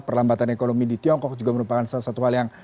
perlambatan ekonomi di tiongkok juga merupakan salah satu hal yang